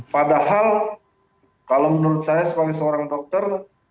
padahal kalau menurut saya sebagai seorang dokter